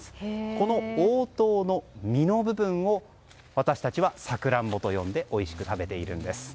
この桜桃の実の部分を私たちはサクランボと呼んでおいしく食べているんです。